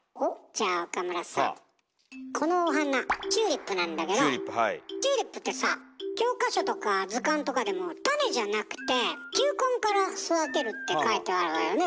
じゃあ岡村さぁこのお花チューリップなんだけどチューリップってさ教科書とか図鑑とかでも種じゃなくて球根から育てるって書いてあるわよね？